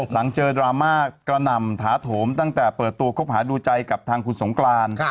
หลังเจอดราม่ากระหน่ำถาโถมตั้งแต่เปิดตัวคบหาดูใจกับทางคุณสงกราน